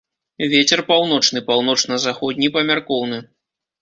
Вецер паўночны, паўночна-заходні памяркоўны.